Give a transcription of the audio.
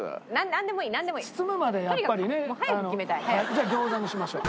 じゃあ餃子にしましょう。